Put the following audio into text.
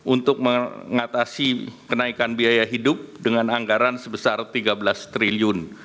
untuk mengatasi kenaikan biaya hidup dengan anggaran sebesar tiga belas triliun